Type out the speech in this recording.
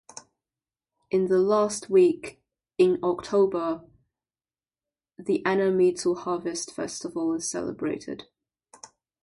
In the last week in October, the Anamizu Harvest Festival is celebrated.